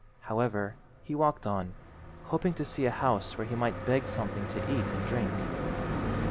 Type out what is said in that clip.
However, he walked on, hoping to see a house where he might beg something to eat and drink.